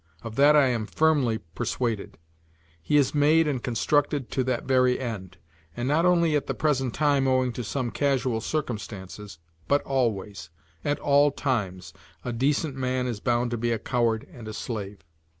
Of that I am firmly persuaded. He is made and constructed to that very end. And not only at the present time owing to some casual circumstances, but always, at all times, a decent man is bound to be a coward and a slave.